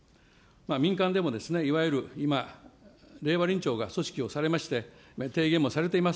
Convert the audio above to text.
民間でも、いわゆる今、令和臨調が組織をされまして、提言もされています。